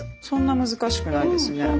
そんな難しくないですね。